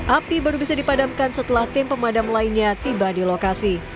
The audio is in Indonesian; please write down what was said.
api baru bisa dipadamkan setelah tim pemadam lainnya tiba di lokasi